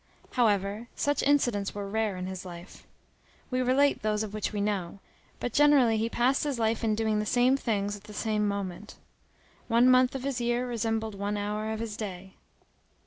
However, such incidents were rare in his life. We relate those of which we know; but generally he passed his life in doing the same things at the same moment. One month of his year resembled one hour of his day.